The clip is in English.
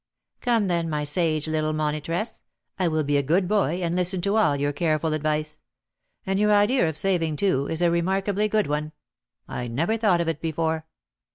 "Come, then, my sage little monitress, I will be a good boy, and listen to all your careful advice. And your idea of saving, too, is a remarkably good one; I never thought of it before."